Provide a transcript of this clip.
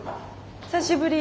久しぶり。